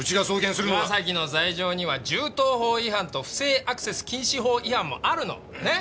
岩崎の罪状には銃刀法違反と不正アクセス禁止法違反もあるの。ね？